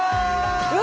うわ！